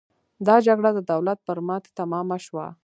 دا جګړه د دولت پر ماتې تمامه شوه.